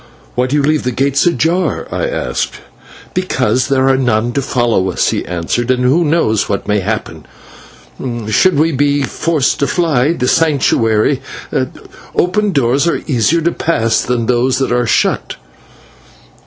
"Why do you leave the gates ajar?" I asked. "Because there are none to follow us," he answered, "and who knows what may happen. Should we be forced to fly the Sanctuary, open doors are easier to pass than those that are shut."